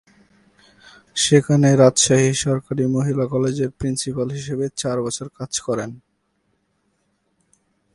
সেখানে রাজশাহী সরকারী মহিলা কলেজের প্রিন্সিপাল হিসেবে চার বছর কাজ করেন।